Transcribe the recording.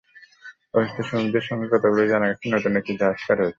অসুস্থ শ্রমিকদের সঙ্গে কথা বলে জানা গেছে, নতুন একটি জাহাজ কাটা হচ্ছিল।